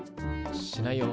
しないよ。